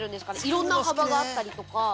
いろんな幅があったりとか。